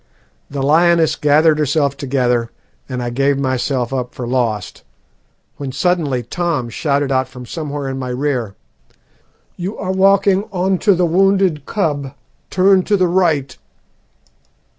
The lioness gathered herself together, and I gave myself up for lost, when suddenly Tom shouted out from somewhere in my rear "'You are walking on to the wounded cub; turn to the right.'